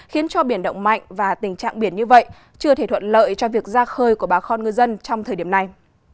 khiến cho biển động mạnh và tình trạng biển như vậy chưa thể thuận lợi cho việc ra khơi của bà con ngư dân trong thời điểm này